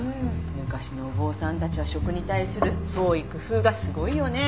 昔のお坊さんたちは食に対する創意工夫がすごいよね。